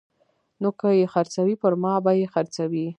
نو که یې خرڅوي پرما به یې خرڅوي